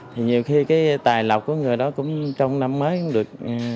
thì nhiều khi cái tài lọc của người đó cũng trong năm mới cũng được